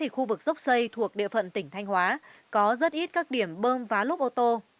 khu vực dốc xây thuộc địa phận tỉnh thanh hóa có rất ít các điểm bơm vá lốp ô tô